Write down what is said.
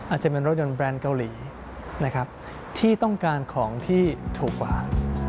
อาจจะเป็นรถยนต์แบรนด์เกาหลีนะครับที่ต้องการของที่ถูกกว่า